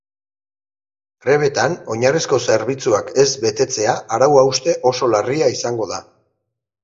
Grebetan oinarrizko zerbitzuak ez betetzea arau-hauste oso larria izango da.